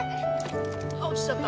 あっ落ちちゃった。